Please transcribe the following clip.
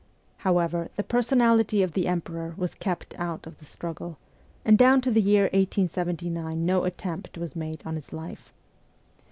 However, the personality of the Emperor was kept out of the struggle, and down to the year 1879 no attempt was made on his life.